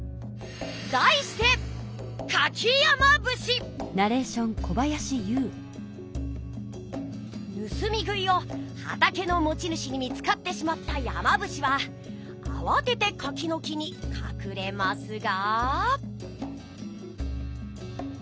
だいしてぬすみ食いを畑の持ち主に見つかってしまった山伏はあわてて柿の木にかくれますが。